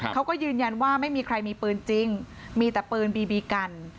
เขาก็ยืนยันว่าไม่มีใครมีปืนจริงมีแต่ปืนบีบีกัน